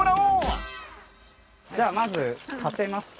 じゃあまず立てますか？